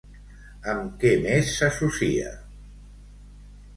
Amb què més s'associa?